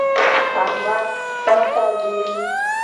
احمد تا ته وکتل